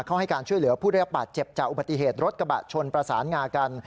ให้การช่วยเหลือผู้ได้รับบาดเจ็บจากอุบัติเหตุรถกระบะชนประสานงากัน